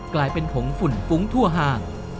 กลายเป็นผงฝุ่นฟุ้งทั่วห่าง